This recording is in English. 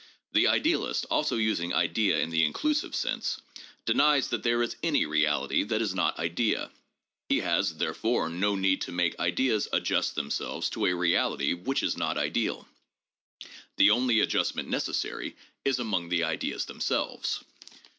The idealist, also using idea in the inclusive sense, denies that there is any reality that is not idea; he has, therefore, no need to make ideas adjust themselves to a reality which is not ideal: the only adjustment necessary is among the ideas themselves.